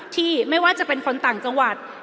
ไม่ว่าจะเป็นคนต่างจังหวัด